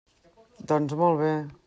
Doncs, molt bé.